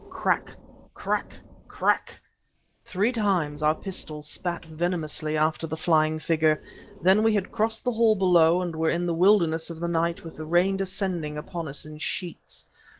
Crack! crack! crack! Three times our pistols spat venomously after the flying figure... then we had crossed the hall below and were in the wilderness of the night with the rain descending upon us in sheets.